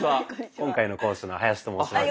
今回の講師の林と申します。